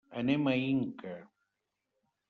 Anem a Inca.